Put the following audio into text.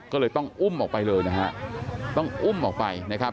ก็เลยต้องอุ้มออกไปเลยนะฮะต้องอุ้มออกไปนะครับ